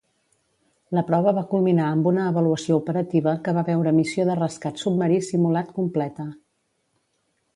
La prova va culminar amb una avaluació operativa que va veure missió de rescat submarí simulat completa.